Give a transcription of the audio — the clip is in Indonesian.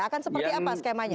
akan seperti apa skemanya